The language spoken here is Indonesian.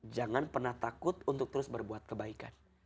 jangan pernah takut untuk terus berbuat kebaikan